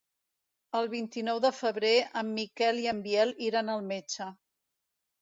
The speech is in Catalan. El vint-i-nou de febrer en Miquel i en Biel iran al metge.